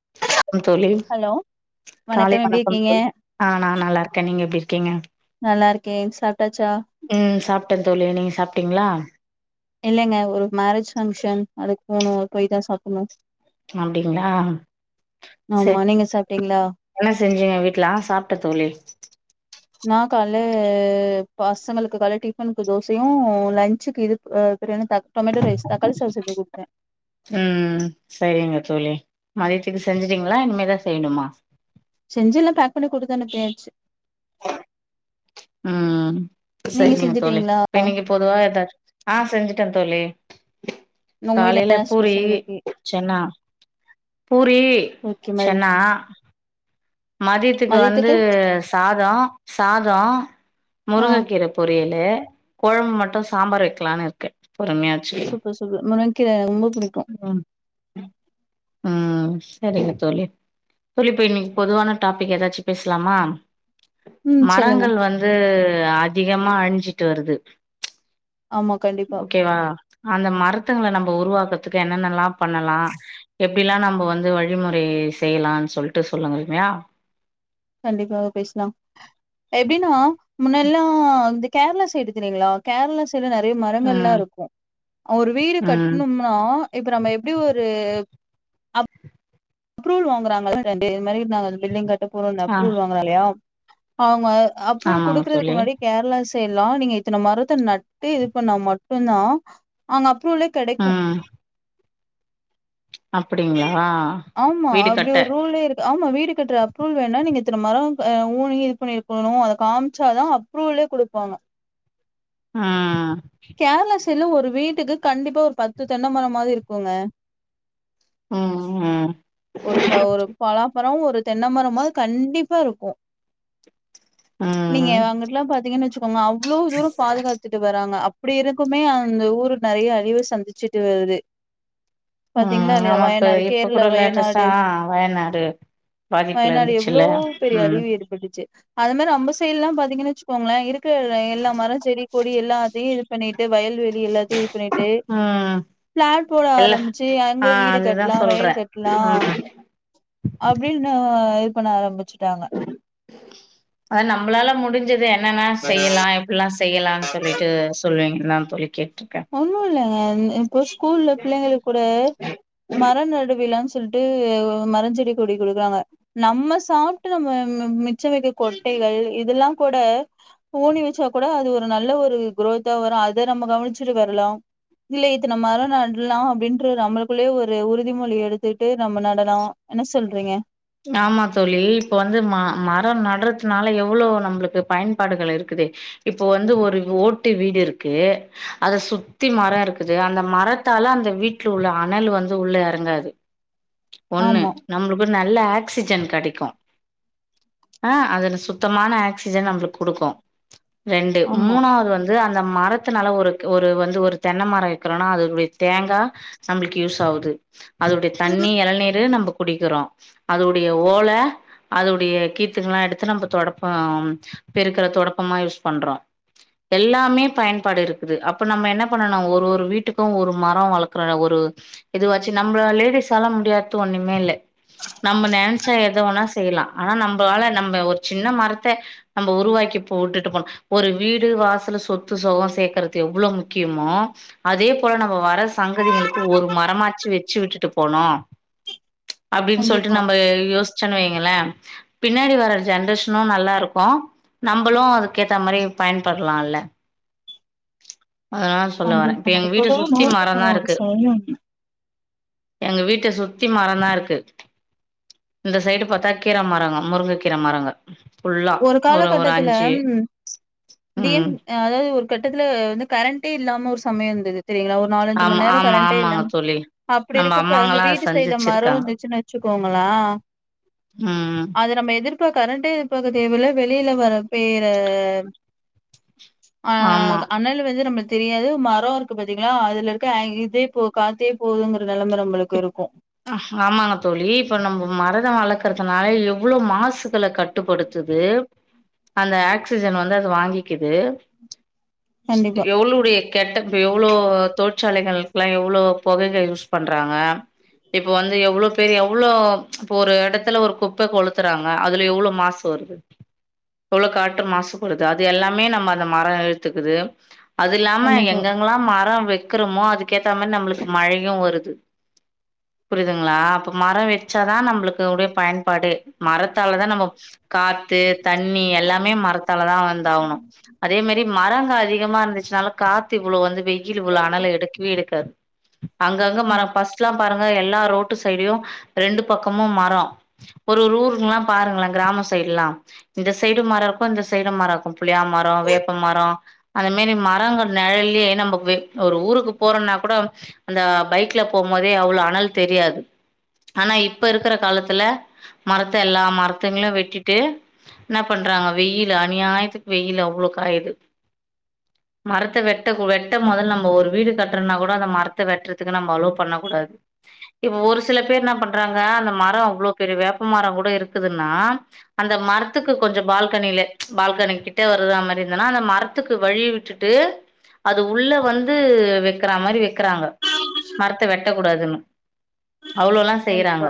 [inaudible] தோழி ஹலோ காலை எப்டி வணக்கம் இருக்கீங்க தோழி ஆ நான் நல்லாருக்கேன் நீங்க எப்டி இருக்கீங்க ஓகேங்க நல்லா இருக்கேன் சா உம் சாப்ட்டேன் தோழி நீங்க சாப் சாப்ட்டீங்களா இல்லங்க ஒரு மேரேஜ் ஃபங்க்ஷன் அதுக்கு போணும் அது போய் தான் சாப்ணும் அப்டிங்களா ஆமா சேர் நீங்க சாப்ட்டீங்களா என்ன செஞ்சிங்க வீட்ல சாப்பிட்ட தோழி நான் கால்ல பசங்களுக்கு கால டிஃபனுக்கு தோசையும் லஞ்சுக்கு இது பிரியாணி த டொமேட்டோ ரைஸ் தக்காளி சாதம் செஞ்சு குடுத்தேன் ம் சரிங்க தோழி மதியத்துக்கு செஞ்சுட்டீங்களா இனிமேதான் செய்யணுமா செஞ்சி எல்லாம் பேக் பண்ணி கொடுத்து அனுப்பியாச்சு ம் நீங்க சரிங்க தோழி செஞ்சுட்டீங்களா இப்ப இன்னைக்கு பொதுவா ஏதாச்சும் ஆ செஞ்சுட்டே ‌தோழி தோழி உங்க வீட்ல காலயில என்ன பூரி ஸ்பெஷல் இன்னைக்கு சென்னா பூரி ஓகே ம சென்னா மதியத்துக்கு வந்து சாத சாதோம் ஆ முருங்கக்கீர பொரியல் கொழம்பு மட்டும் சாம்பார் வைக்கலான்னு இருக்கேன் பொறுமையா வச்சிகலா சூப்பர் சூப்பர் முருங்கக்கீர ரொம்ப புடிக்கும் உம் சரிங்க தோழி தோழி இப்ப இன்னைக்கு பொதுவான டாபிக் ஏதாச்சும் பேசலாமா ம் சொல்லுங்க மரங்கள் வந்து அதிக மா அழிஞ்சிட்டு வருது ஆமா கண்டிப்பா ஓகேவா அந்த மரத்துங்கள நம்ம உருவாக்கத்துக்கு என்னென்னல்லாம் பண்ணலாம் எப்டிலாம் நம்ம வந்து வழிமொறை செய்யலான்னு சொல்லிட்டு சொல்லுங்க மியா கண்டிப்பாக பேசலாம் எப்டினா முன்னெல்லாம் இந்த கேரளா சைடு தெரியுங்களா கேரளா சில நெறைய மரங்கள்லாம் ம் இருக்கும் ஒரு வீடு ம் கட்டணும்னா இப்ப நம்ம எப்டி ஒரு அப்ரூவல் வாங்குறாங்கல ரெண்டு இது மாரி நாங்க அந்த பில்டிங் கட்ட போறோம் அந்த ஆ அப்ரூவல் வாங்கல்லையா ஆமா அப்ரூ ஆமாங்க குடுக்குறதுக்கு தோழி முன்னாடி கேரளாஸ் செய்லாம் நீங்க இத்தனை மரத்தை நட்டு இது பண்ணா மட்டும் தான் அங்க அப் ரூலே கெடைக்கும் ம் அப்டிங்களா ஆமா வீடு அப்படி கட்ட ஒரு ரூலே இரு ஆமா வீடு கட்டுற அப்ரூவல் வேண்ணா நீங்க இத்தனை மரம் ஆஹ் ஊனி இது பண்ணி இருக்கணும் அத காமிச்சாதான் அப்ரூவலே குடுப்பாங்க ஆஹ் இல்ல ஒரு வீட்டுக்கு கண்டிப்பா ஒரு பத்து தென்னைமரம் மாது இருக்குங்க உம் ஒரு ஒரு பலாமரம் ஒரு தென்னை மரம்மாது கண்டிப்பா இருக்கும் நீங்க ம் அங்குடுலாம் பாத்தீங்கன்னு வச்சு அவுங்க அவ்ளோ தூரம் பாதுகாத்துட்டு வராங்க இப்படி இருக்குமே அந்த ஊரு நெறைய அழிவ சந்திச்சுட்டு வருது உம் பாத்தீங்களா இல்லையா ஆமா இப்ப வயநாடு இப்போ கேரள கூட லேட்டஸா வயநாடு வயநாடு பாதிப்புல இருந்துச்சுல்ல உம் சு அது மாதிரி நம்ப செய்டு எல்லாம் பாத்தீங்கன்னு வச்சுக்கோங்களேன் கு எல்லா மரம் செடி கொடி எல்லாத்தையும் இது பண்ணிட்டு வயல் வெளி எல்லாத்தையும் இது பண்ணிட்டு ம் பிளாட் போட இல்ல ஆரம்பிச்சு ஆ அங்க வீடு அதுதா கட் சொல்றே வயல் கட்டலாம் ம் அப்டினு இது பண்ண ஆரம்பிச்சு விட்டாங்க அத நாம்மளாலா முடிஞ்சது என்னன்னா செய்யலாம் எப்புல்லாம் செ செய்யலாம்னு சொல்லிட்டு சொல்லுவீங்க தான் தோழி கேட்டு ஒண்ணும் இல்ல [unintelligible] இப்போ ஸ்கூல்ல பிள்ளைங்க கூட மர நடுவிழா சொ சொல்லிட்டு மரஞ்செடி கொடி கொடுக்கறாங்க நம்ம சாப்பிட்டு நம்ம மிச்ச மீதி கொட்டைகள் இதெல்லாம் கூட ஊனி வச்சா கூட அது ஒரு நல்ல ஒரு குரோத்தா வரும் அத நம்ம கவனிச்சு விட்டு வரலாம் இல்ல இது நம்ம மரம் நடலாம் அப்படின்ற நம்மளுக்குள்ளே ஒரு உறுதிமொழி எடுத்துகுட்டு நம்ம நடனும் என்ன சொல்றீங்க ஆமா தோழி இப்ப வந்து ம மரம் நடடுறதுனால எவ்வளவு நம்மளுக்கு பயன்பாடுகள் இருக்குது இப்போ வந்து ஒரு ஓட்டு வீடு இருக்கு அத சுத்தி மரம் இருக்குது அந்த மரத்தால அந்த வீட்டுல உள்ள அனல் வந்து உள்ள எறங்காது ஒண்ணு ஆமா நம்மளுக்கு ந இல்ல ஆக்சிஜன் கிடைக்கும் ஆஹ் அதுல சுத்தமான ஆக்சிஜன் நம்மளுக் கொடுக்கும் ரெண்டு ஆமா மூணாவது வந்து அந்த மரத்தினால ஒரு ஒரு வந்து ஒரு தென்ன மரம் வக்கணும்னா அது தேங்கா நம்மளுக்கு யூஸ் ஆவுது அதுடைய தண்ணி இளநீர் நம்ம குடிக்கிறோம் அதுடைய ஓல அதுடைய கீத்துகள்ல்லாம் எடுத்து நம்ம தொடப்பம் பெருக்கிற தொடப்பமா யூஸ் பண்றோம் எல்லாமே பயன்பாடு இருக்குது அப்ப நம்ம என்ன பண்ணனும் ஒரு ஒரு வீட்டுக்கும் ஒரு மரம் வளர்க்குற ஒரு இதுவச்சு நம்மள லேடிஸ்ஸால முடியாது ஒண்ணுமே இல்ல நம்ம நினைச்சா எதுவேனா செய்யலாம் ஆனா நம்மளால நம்ம ஒரு சின்ன மரத்த நம்ம உருவாக்கி போட்டுட்டு போலாம் ஒரு வீடு வாசல் சொத் சொத்து சுகம் சேர்க்கறது எவ்வளவு முக்கியமோ அதே போல நம்ம வர சங்கதிகளுக்கு ஒரு மரமாச்சு வச்சு விட்டுட்டு போனோம் அப்படின்னு சொல்லிட் கண்டிப்பா நம்ம யூஸ் சொல்லுவீங்கள பின்னாடி வர ஜென்ரேஷனும் நல்லா இருக்கும் நம்மளும் அதுக்க ஏத்த மாதிரி பயன்படலாம்ல்ல இப்ப கண்டிப்பா எங்க நமக்கு வீட்ட சுத்தி நோக்க மரம் த தான் ஒரு இருக்கு ச எங்க வீட்ட சுத்தி மரம் தான் இருக்கு இந்த சைடு பாத்தா கீரை மரங்க முருங்க கீரை மரங்க ஃபுல்லா ஒரு ஒரு காலகட்டத்துல அஞ்சு உம் ம் அதாவது ஒரு கட்டத்துல வந்து கரேண்டே இல்லாம ஒரு சமயம் இருந்தது செரியா ஒரு நாலஞ்சு ஆமா மணி நேரம் ஆமா கரண்டே இல்ல ஆமாங்க தோழி அப்படி நம்ம இருக்கப்ப இந்த அம்மாங்கல்லா வீட்டு சைடுல மரம் சந்திச்சிருக்காங்க இருந்துச்சுன்னு வச்சுக்கோங்களேன் ம் அது நம்ம எதிர் இப்ப கரெண்டே தேவைல வெளியில வர வேற ஆமா ஆஹ் அணல் வந்து நம்ம தெரியாது மரோ இருக்கு பாத்தீங்களா அதுல இருக்க இதே போ காத்தே போதுங்கர. ஆமாங்க தோழி இப்ப நம்ம மர. ரோ வளர்க்கறதுனால எவ்வளோ மாசுகள கட்டுப்படுத்தது. அந்த ஆக்சிஜன் வந்து அத வாங்கிக்குது. ம்ச் கண்டிப்பா எவ்ளுவுடைய கெட்ட எவ்ளோ தோட். சோலைகளுக்கெல்லா எவ்வளோ புகைகள் யூஸ் பண். றாங்க. இப்ப வந்து எவ்வளோ பேரு எவ்வளோ ம்ச் இப்ப ஒரு இடத்துல ஒரு குப்ப கொளுத்துறாங்க அதுல எவ்வளோ மாசு வருது. எவ்வளோ காற்று மாசு படுது அது எல்லாமே நம்ம அந்த மர இழுத்துக்குது. அது இல்லாம கண்டிப்பா எங்கெங்கல்லா மரம். வைக்கிறமோ அதுக்கேத்த மாரி நம்மளுக்கு மழையும் வருது. புரியுதுங்களா அப்ப மரோ வச்சாதா நம்மளுக்கு உடைய பயன். படு. மரத்தாலதா நம்ம காத்து தண்ணி எல்லாமே மரத்தாலதா வந்தாகணு. அதே மாரி மரங்க அதி. அதிகமா இருந்துச்சுனால காத்து இவ்ளோ வந்து. வெயில் இவ்ளோ அனல் எடுக்கவே எடுக்காது. அங்கங்க ம் மரம். ச்சோ பாருங்க எல்லா ரோட்டு சைடுலியு ரெண்டு பக்கமும் மரோ. ஒரொரு ஊருங்லா பாருங்களே கிராம சைடுல்லா. இந்த சைடு மரோ இருக்கு இந்த சைடு மரோ இருக்கு புளியா மரோ வேப்ப மரோ அந்தமேரி மரங்க நெழல்லையே நமவே ஒரு ஊருக்கு போறோம்னா கூட அந்த பைக்லப். போம்போதே அவ்வளோ அனல் தெரியாது. ஆனா இப்ப இருக்கிற காலத்துல மரத்த எல்லா மரத்துங்களும் வெட்டிட்டு என்ன பண்றாங்க வெயில் அநியாயத்துக்கு வெயில் அவ்வளோ காயுது. மரத்த வெட்ட வெட்ட முதல் நம்ம ஒரு வீடு கட்டுறனா கூட அந்த மரத்த வெட்டுறதுக்கு நம்ம அலோ. பண்ணக்கூடாது. இப்ப ஒரு சில பேரு என்ன பண்றாங்க அந்த மரோ அவ்வளோ பெரிய வேப்ப மரோ கூட இருக்குதுன்னா அந்த மரத்துக்கு கொஞ்சோ பால்கனில ம்ச் பால்கனி கிட்ட வருது மாரி இருந்துன்னா அந்த மரத்துக்கு வழி விட்டுட்டு அது உள்ள வந்து வக்கிற மாரி வக்கிறாங்க. மரத்த வெட்டக் கூடாதுன்னு. அவ்ளோல்லா செய்யறாங்க. கண்டிப்பா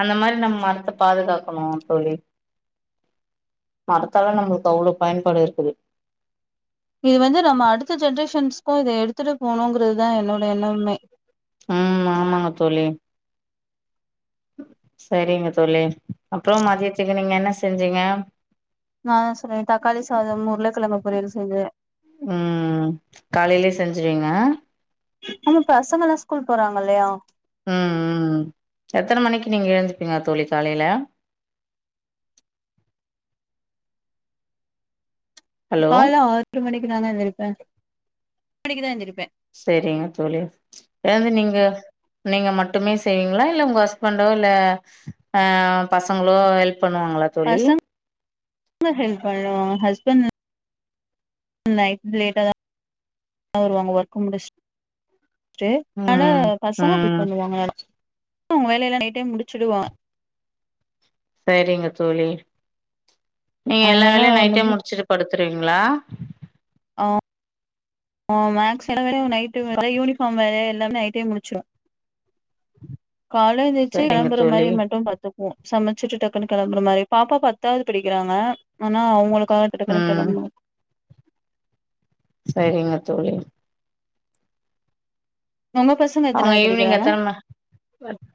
அந்த மாரி நம்ம மரத்த பாதுகாக்கணு தோழி. மரத்தலா நம்மளுக்கு அவ்வளோ பயன்பாடு இருக்குது. இது வந்து நம்ம அடுத்த ஜென்ரேஷன்ஸ்க்கு இத எடுத்துட்டு போகணுங்கிறதுதா என்னோட எண்ணமே. உம் ஆமாங்க தோழி. சேரிங்க தோழி. அப்புறோ மதியத்துக்கு நீங்க என்ன செஞ்சீங்க. நா என்ன செஞ்ச தக்காளி சாதம் உருளைக்கிலக்கு பொரியல் செஞ்ச. செஞ்சுவீங்க. ஆமா பசங்க எல்லா ஸ்கூல் போறாங்க இல்லையா. உம் உம்ம் எத்தன மணிக்கு நீங்க எழுந்துப்பீங்க தோழி காலையில. ஹலோ கால்ல ஆறு மணிக். குதாங்க எந்திரிப்ப. மணிக்குதா எழுந்திரிப்ப. சேரிங்க தோழி. எதாவது நீங்க நீங்க மட்டுமே செய்வீங்களா இல்ல உங்க ஹஸ்பண்டோ இல்ல அஹ பசங்களோ ஹெல்ப். பண்ணுவாங்களா தோழி. என்ன ஹெல்ப்பண்ணுவாங்க ஹஸ்பண்ட். நைட் லேட்டதா வருவாங்க. ஒர்க்கு முடிச். சுடு ஆனா ம் பசங்க ம் ஹெல்ப்பண்ணுவாங்க ஆனா. உன் வேலையில்ல நைட்டே முடிச்சிடுவா. சேரிங்க தோழி. நீ எல்லா அதனால வேலையும் நைட்டே ஒன்னு முடுச்சிட்டு படு. த்திரிங்களா. ஓஹோ ஓ மாக்ஸ் நைட்டு யூனிஃபாம் வேற எல்லாமே நைட்டே முடிச்சோ கால என்ச்சு செரிங்க கிலம்பர மாரி தோழி மட்டும் பாத்துப்போம் சமைச்சிட்டு டக்குன்னு கிளம்புற மாரி பாப்பா பத்தாவது படிக்கிறாங்க ஆனா அவங்களு காடுடக்குனு ம் கிளபணு சரிங்க தோலி நம்ப பசங்க அவங்க எத்தனாவது ஈவினிங் படிக்கிறாங்க எத்தன ம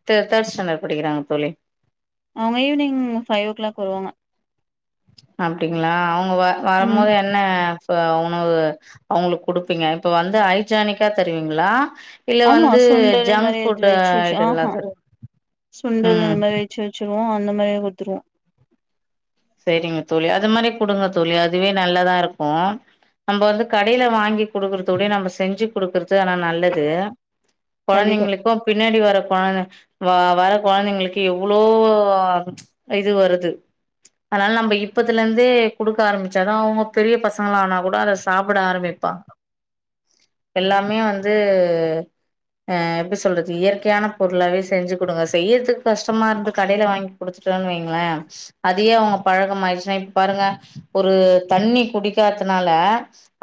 தே தேர்ட் ஸ்டாண்டர்ட் படிக்கிறாங்க தோழி அவங்க ஈவினிங் பாயோவ் கிளாக் வருவாங்க அப்டிங்களா அவங்க வ ம் வறோம்போது என்ன இப்ப உணவு அவங்களுக்கு கொடுப்பீங்க இப்ப வந்து ஐஜானிக்கா தருவீங்களா இல்ல ஆமா வந்து சுண்டல் ஜங்க் மரி ஃபுட் வச்சு வச்சு ஐட்டல்லா ஆஹா தரு சுண்டல் ம் இந்த மெரி வச்சு வச்சருவோம் அந்த மாரி குத்துருவோம் சரிங்க தோலி அது மாரி குடுங்க தோலி அதுவே நல்லதா இருக்கும் நம்ம வந்து கடையில வாங்கி குடுக்குறதோடைய நம்ம செஞ்சு கொடுக்கறது ஆனா நல்லது கண்டிப்பா குழந்தைங்களுக்கும் பின்னாடி வர குழந்த வா வர குழந்தைங்களுக்கு எவ்வளோ ச் இது வருது அதனால நம்ம இப்பத்துல இருந்தே கொடுக்க ஆரம்பிச்சாதான் அவங்க பெரிய பசங்கள ஆனா கூட அத சாப்பிட ஆரம்பிப்பாங்க எல்லாமே வந்து ஆஹ எப்டி சொல்றது இயற்கையான பொருளாவே செஞ்சு கொடுங்க செய்யறதுக்கு கஷ்டமா இருந்தா கடையில வாங்கி கொடுத்துட்டோன்னு வைங்களன் அதையே அவங்க பழகம் ஆயிடுச்சுன்னா இப்ப பாருங்க ஒரு தண்ணி குடிக்கதுனால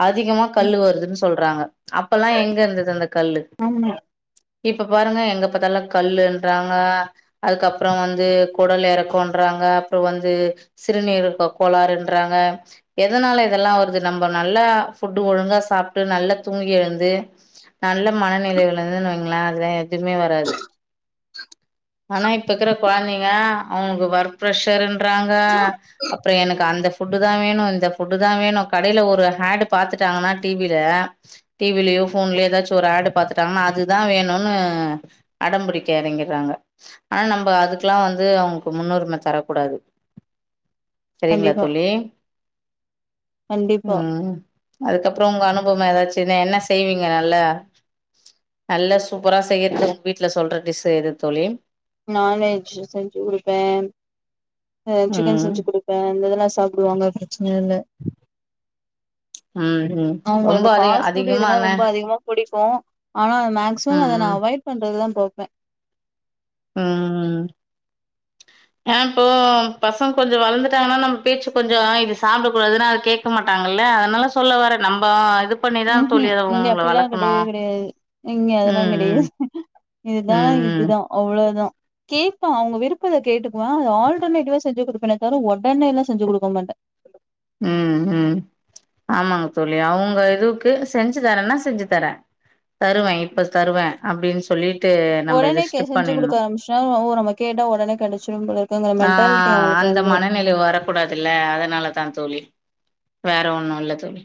அதிகமா கல் ம் வருதுன்னு சொ சொல்றாங்க அப்பெல்லாம் எங்க இருந்தது அந்த கல்லு ஆமா இப்ப பாருங்க எங்க பத்தலும் கல்லுன்றாங்க அதுக்கப்பறம் வந்து குடல் இறக்கம்றாங்க அப்புறம் வந்து சிறுநீர் கோளாறுன்றாங்க எதனால இதெல்லாம் வருது நம்ம நல்லா ஃபுட்டு் ஒழுங்கா சாப்பிட்டு நல்லா தூங்கி எழுந்து நல்ல மனநிலைல விழுந்துன்னு வைங்களேன் அதெல்லாம் எதுவுமே வராது ஆனா இப்பகிறா குழந்தைங்க அவுகுக்கு ஒர்க் ப்ரஷர் றாங்க அப்புறம் எனக்கு அந்த ஃபுட்டு் தான் வேணும் இந்த ஃபுட்டு் தான் வேணும் கடையில ஒரு ஹேடு பார்த்துட்டாங்கன்னா டிவியில டிவிலயோ போஃன்லயோ ஏதாச்சும் ஒரு ஹட பாத்துட்டாங்கன்னா அதுதான் வேணும்னு அடம்பிடிக்க இறங்கிறாங்க ஆனா நம்ம அதுக்கெல்லாம் வந்து அவங்களுக்கு முன்னுரிம தரக்க கூடாது சரிங்களா கண்டிப்பா தோலி கண்டிப்பா உஹம் அதுக்கப்பறம் உங்க அனுபவம் ஏதாச்சு பின்ன என்ன செய்வீங்க நல்லா நல்ல சூப்பரா செய்யறது உங்க வீட்டுல சொல்றது டிஷ் எது தோலி நான்வெஜ் செஞ்சு கொடுப்பேன் ஹ ம் சிக்கன் செஞ்சு கொடுப்பேன் இதெல்லாம் சாப்பிடுவாங்க நாள ஹம் ஹம் ரொம்ப அதையும் அதிகமா என்ன கோம் ஆனா அத மேக்சிமம் ம் அத ந ம் அவாய்ட் பண்றதுதான் தொப்ப உஹம் ஏன்ன இப்போ பசங்க கொஞ்சம் வளந்துட்டாங்கனா நம்ம பேச்சு கொஞ்சம் இது சாப்டா கூடாதுன்னா அத கேக்க மாட்டாங்கல்ல அதனால சொல்ல வரே நம்ம இது பண்ணிதா ஊம் ம் தோழி அத இங்க அவங்கள அப்பியெல்லா வளக்கணு கெடையவே கெடையாது இங்க ம் அதெல்லா கெடையாது ம் இதுதா ம் இதுதா அவ்ளோதா கேட்பே அவுங்க விருப்பத கேட்டுக்குவே அத ஆல்டர்னேட்டிவா செஞ்சு குடுப்பேனதவிர ஒடனே எல்லா செஞ்சு குடுக்க மாட்டே உம் உம் ஆமாங்க தோழி அவுங்க இதுக்கு செஞ்சு தரேன்னா செஞ்சு தரேன் தருவே இப்ப தருவேன் அப்டின் சொல்லிட் ஒடனே கே செஞ்சு குடுக்க ஆரம்பிச்சுன்னா ஓ நம்ம கேட்டா ஒடனே கெடைச்சிரும் போல இருக்கு ஆ மென்டாலிட்டி அவுங்குளுக் அந்த வந்துரும் அஹ் தோழி வேற ஒண்ணுல்லா தோழி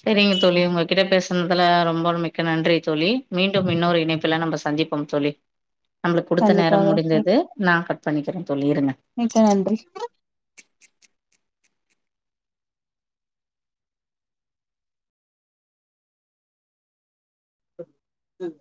சேரிங்க தோழி உங்ககிட்ட பேசுனதுல ரொம்ப மிக்க நன்றி தோழி மீண்டும் இன்னொரு இணைப்புலா நம்ம சந்திப்போம் தோழி நம்ளுக் குடுத்த நேரம் கண்டிப்பாக முடிஞ்சது நா கட் பண்ணிக்கிறேன் தோழி இருங்க மிக்க நன்றி உஹம்